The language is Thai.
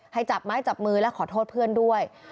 ให้จับไม้จับมือและขอโทษเพื่อนด้วย